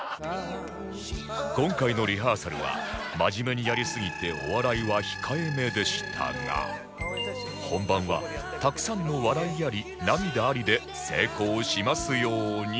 今回のリハーサルは真面目にやりすぎてお笑いは控えめでしたが本番はたくさんの笑いあり涙ありで成功しますように